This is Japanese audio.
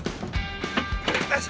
よし！